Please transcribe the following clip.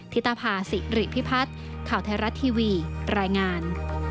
ธิตภาษิริพิพัฒน์ข่าวไทยรัฐทีวีรายงาน